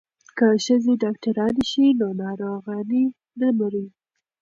که ښځې ډاکټرانې شي نو ناروغانې نه مري.